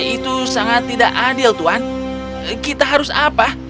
itu sangat tidak adil tuhan kita harus apa